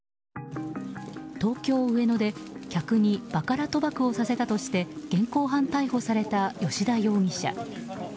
東京・上野で客にバカラ賭博をさせたとして現行犯逮捕された吉田容疑者。